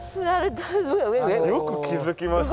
よく気付きましたね。